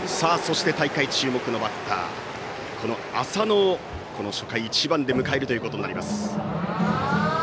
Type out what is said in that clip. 大会注目のバッター浅野を初回、１番で迎えるということになります。